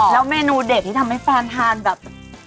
แล้วเมนูเด็ดที่ทำให้แฟนทานแบบ